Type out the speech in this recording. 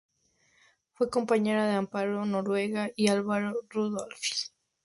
Fue compañera de Amparo Noguera y Álvaro Rudolphy.